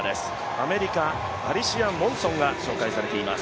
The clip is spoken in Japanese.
アメリカ、アリシア・モンソンが紹介されています。